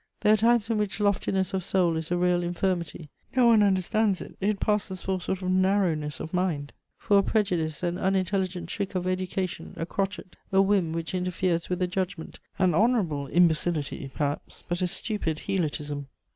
There are times in which loftiness of soul is a real infirmity; no one understands it; it passes for a sort of narrowness of mind, for a prejudice, an unintelligent trick of education, a crotchet, a whim which interferes with the judgment: an honourable imbecility, perhaps, but a stupid helotism.